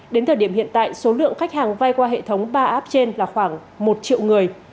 đến thời điểm hiện tại số lượng khách hàng vay qua hệ thống ba app trên là khoảng một triệu người